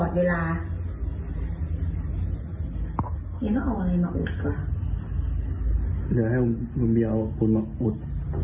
เดี๋ยวให้มันไปเอาคุณมาอุด